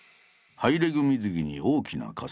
ハイレグ水着に大きな傘。